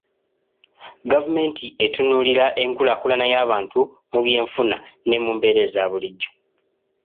Gavumenti etunuulira enkulaakulana y'abantu mu byenfuna ne mu mbeera eza bulijjo.